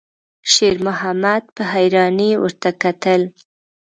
شېرمحمد په حيرانۍ ورته کتل.